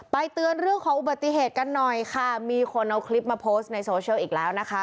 เตือนเรื่องของอุบัติเหตุกันหน่อยค่ะมีคนเอาคลิปมาโพสต์ในโซเชียลอีกแล้วนะคะ